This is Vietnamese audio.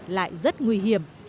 lại rất nguy hiểm